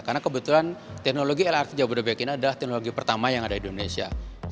karena kebetulan teknologi lrt jabodebek ini adalah teknologi pertama yang ada di indonesia